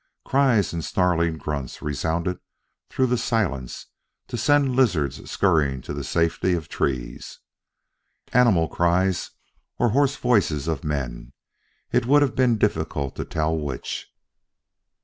Cries and snarling grunts resounded through the silence to send lizards scurrying to the safety of the trees. Animal cries or hoarse voices of men it would have been difficult to tell which.